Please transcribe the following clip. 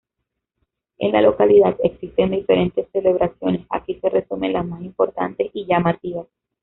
En la localidad existen diferentes celebraciones, aquí se resumen las más importantes y llamativas.